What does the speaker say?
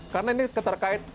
karena ini terkait